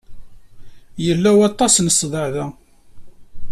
Yella waṭas n ṣṣdeɛ da.